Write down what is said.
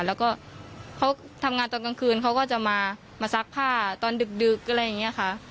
แล้วก็เขาทำงานตอนกลางคืนเขาก็จะมาซักผ้าตอนดึกอะไรอย่างนี้ค่ะ